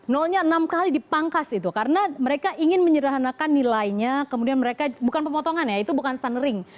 nolnya enam kali dipangkas itu karena mereka ingin menyederhanakan nilainya kemudian mereka bukan pemotongan ya itu bukan sunnering